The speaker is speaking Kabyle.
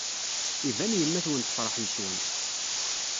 Iban yemma-twen tefṛeḥ yes-wen.